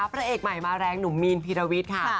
พระเอกใหม่มาแรงหนุ่มมีนพีรวิทย์ค่ะ